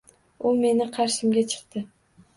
U meni qarshimga chiqdi.